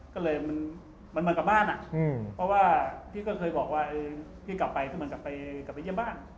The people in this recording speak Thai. ก็เลยมันเหมือนกับบ้านอ่ะเพราะว่าพี่ก็เคยบอกว่าพี่กลับไปก็เหมือนกับกลับไปเยี่ยมบ้าน